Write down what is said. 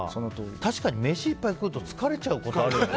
確かに飯いっぱい食うと疲れちゃうことあるよね。